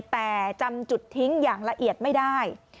แต่จำจุดทิ้งอย่างละเอียดไม่ได้